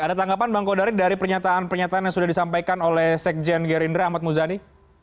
ada tanggapan bang kodari dari pernyataan pernyataan yang sudah disampaikan oleh sekjen gerindra ahmad muzani